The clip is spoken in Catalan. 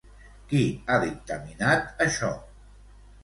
Qui ha dictaminat això?